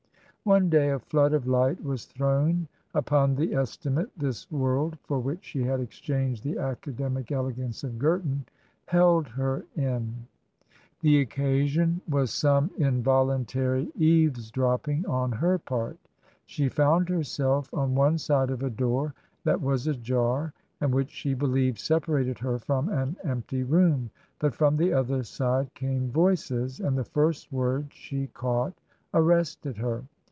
One day a flood of light was thrown upon the esti mate this world, for which she had exchanged the academic elegance of Girton, held her in. The occasion was some involuntary eaves dropping on her part ; she found herself on one side of a door that was ajar and which she believed separated her from an empty room ; but from the other side came voices, and the first words she caught arrested her.